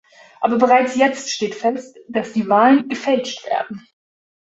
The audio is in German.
Aber bereits jetzt steht fest, dass die Wahlen gefälscht werden.